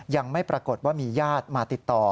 ยังไม่ปรากฏว่ามีญาติมาติดต่อ